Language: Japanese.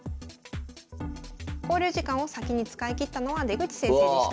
考慮時間を先に使い切ったのは出口先生でした。